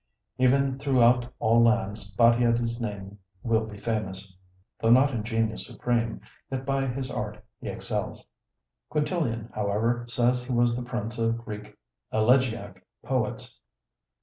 (Even throughout all lands Battiades's name will be famous; Though not in genius supreme, yet by his art he excels.) Quintilian, however, says he was the prince of Greek elegiac poets.